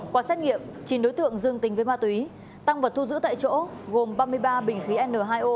qua xét nghiệm chín đối tượng dương tình với ma túy tăng vật thu giữ tại chỗ gồm ba mươi ba bình khí n hai o